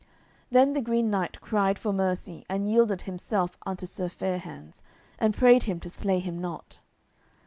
Then the Green Knight cried for mercy, and yielded himself unto Sir Fair hands, and prayed him to slay him not.